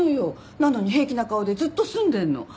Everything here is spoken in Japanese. なのに平気な顔でずっと住んでるの。